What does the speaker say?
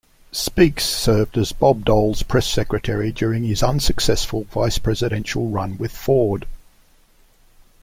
Speakes served as Bob Dole's press secretary during his unsuccessful vice-presidential run with Ford.